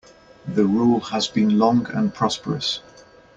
The rule has been long and prosperous.